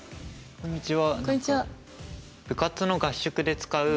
こんにちは。